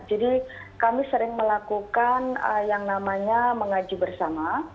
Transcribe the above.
jadi kami sering melakukan yang namanya mengaji bersama